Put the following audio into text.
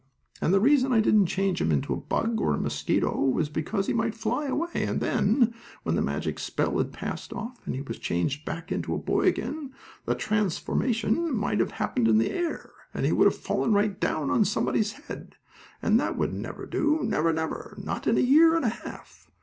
And the reason I didn't change him into a bug or a mosquito was because he might fly away, and then, when the magic spell had passed off, and he was changed back into a boy again, the transformation might have happened in the air, and he would fall right down on somebody's head, and that would never do, never, never, not in a year and a half.